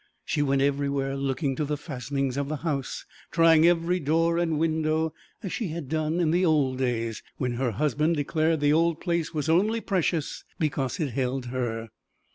She went everywhere looking to the fastenings of the house, trying every door and window as she had done in the old days, when her husband declared the old place was only precious because it held her.